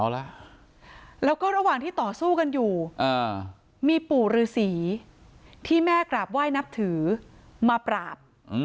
แล้วก็ระหว่างที่ต่อสู้กันอยู่มีปู่ฤษีที่แม่กราบไหว้นับถือมาปราบ